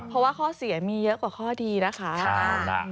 เพราะว่าข้อเสียมีเยอะกว่าข้อดีนะคะ